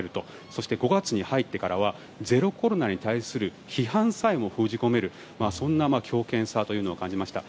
そして、５月に入ってからはゼロコロナに対する批判さえも封じ込めるという強権さというのを感じました。